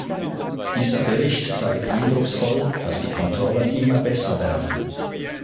Dieser Bericht zeigt eindrucksvoll, dass die Kontrollen immer besser werden.